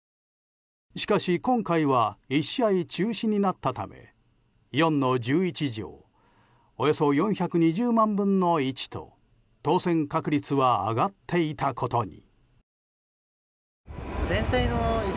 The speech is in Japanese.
しかし、今回は１試合中止になったため４の１１乗およそ４２０万分の１と当せん確率は上がっていたことに。